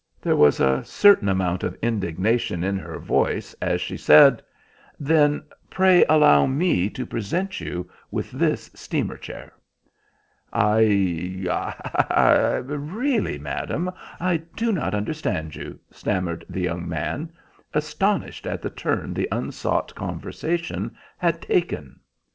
There was a certain amount of indignation in her voice as she said— "Then pray allow me to present you with this steamer chair." "I—I—really, madam, I do not understand you," stammered the young man, astonished at the turn the unsought conversation had taken.